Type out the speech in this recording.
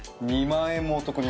２万円も！